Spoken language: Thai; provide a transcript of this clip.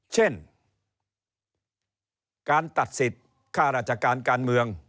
เช่นการตัดสิทธิ์ค่าราชการการเมือง